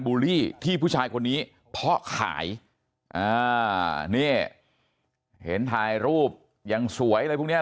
บุรีที่ผู้ชายคนนี้พ่อขายนี่เห็นถ่ายรูปยังสวยเลยพรุ่งนี้